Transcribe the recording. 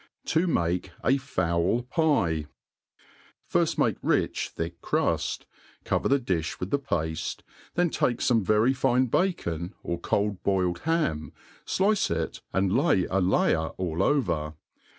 ^ i . To make a Fowl Pie, tIRST make rich thick cruft, cover the i\(h with the pafte, fhen t^ke fome very fine bacon, or cold boiled ham, (lice it, and lay a layer all over.